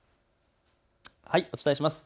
お伝えします。